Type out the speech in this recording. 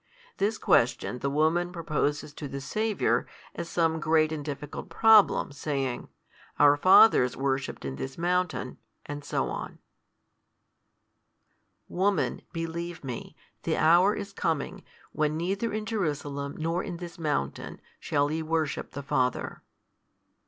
This question the woman proposes to the Saviour, as some great and difficult problem, saying, Our fathers worshipped in this mountain, &c. Woman, believe Me, the hour is coming, when neither in Jerusalem nor in this mountain, shall ye worship the Father.